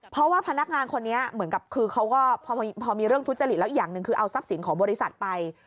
เพราะว่าพนักงานคนนี้เหมือนกับคือเขาก็พอมีเรื่องทุจริตแล้วอีกอย่างหนึ่งคือเอาทรัพย์สินของบริษัทไป